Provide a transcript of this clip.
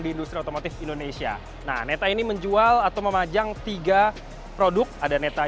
di industri otomotif indonesia nah neta ini menjual atau memajang tiga produk ada neta